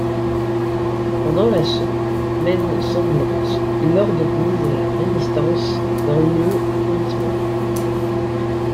Pendant la Semaine sanglante, il organise la résistance dans le arrondissement.